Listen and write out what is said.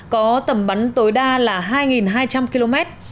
có tầm bắn tối đa là hai hai trăm linh km